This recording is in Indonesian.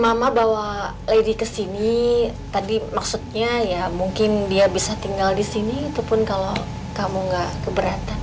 mama bawa lady kesini tadi maksudnya ya mungkin dia bisa tinggal disini itu pun kalau kamu gak keberatan